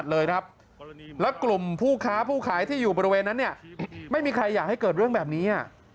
แล้วกลุ่มผู้ค้าผู้ขายที่อยู่บริเวณนั้นเนี่ยไม่มีใครอยากให้เกิดเรื่องแบบนี้